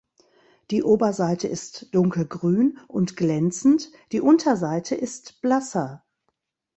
Die Oberseite ist dunkelgrün und glänzend, die Unterseite ist blasser.